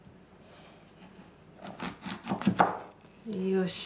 よし。